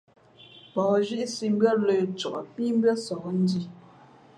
Pα̌h nzhíʼsī mbʉ́ά lə̄ cak pǐ mbʉ́ά sǒh ndhī.